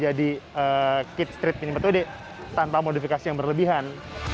jadi kita bisa melakukan ini di street mini empat wd tanpa modifikasi yang berlebihan